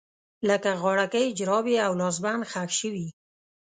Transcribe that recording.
لکه غاړکۍ، جرابې او لاسبند ښخ شوي